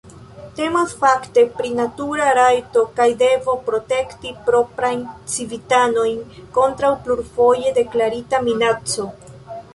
Temas, fakte, pri natura rajto kaj devo protekti proprajn civitanojn kontraŭ plurfoje deklarita minaco.